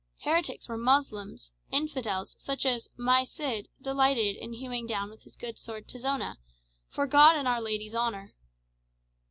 Heretics were Moslems, infidels, such as "my Cid" delighted in hewing down with his good sword Tizona, "for God and Our Lady's honour."